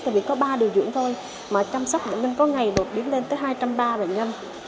tại vì có ba điều dưỡng thôi mà chăm sóc mình có ngày được điểm lên tới hai trăm ba mươi bệnh nhân